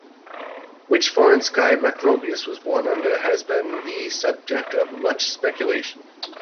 Which "foreign sky" Macrobius was born under has been the subject of much speculation.